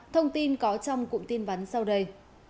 thông tin có trong cụm tin vấn sau đây